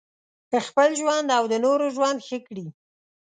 خپل ژوند او د نورو ژوند ښه کړي.